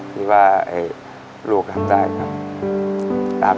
ที่ว่าลูกทำได้ครับ